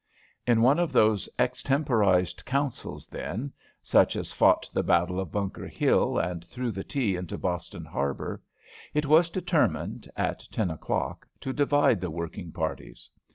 In one of those extemporized councils, then, such as fought the battle of Bunker Hill, and threw the tea into Boston harbor, it was determined, at ten o'clock, to divide the working parties.